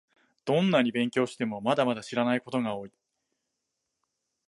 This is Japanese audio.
どんなに勉強しても、まだまだ知らないことが多い